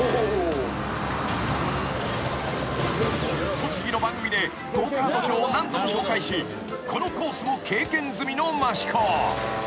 ［栃木の番組でゴーカート場を何度も紹介しこのコースも経験済みの益子］